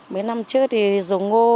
mấy năm trước thì dùng ngô